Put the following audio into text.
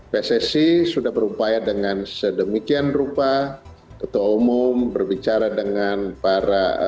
pssi sudah berupaya dengan sedemikian rupa ketua umum berbicara dengan para